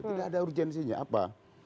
tidak ada urgensinya apa